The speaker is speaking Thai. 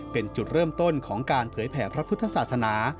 เป็นจุดเริ่มต้นของการเผยแผ่พระพุทธศาสนา